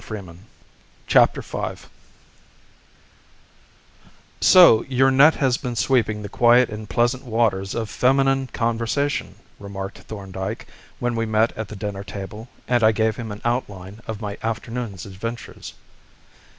CHAPTER V THE 'THUMBOGRAPH' "So your net has been sweeping the quiet and pleasant waters of feminine conversation," remarked Thorndyke when we met at the dinner table and I gave him an outline of my afternoon's adventures.